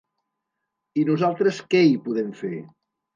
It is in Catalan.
I nosaltres què hi podem fer?